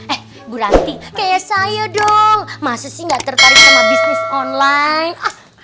eh bu ranti kayak saya dong masa sih gak tertarik sama bisnis online